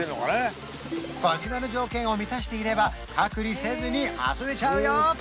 こちらの条件を満たしていれば隔離せずに遊べちゃうよ！